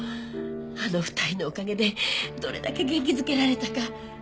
あの２人のおかげでどれだけ元気づけられたか。